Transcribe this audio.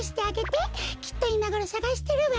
きっといまごろさがしてるわ。